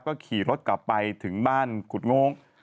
ก็ขี่รถกลับไปถึงบ้านกุฎโง้ง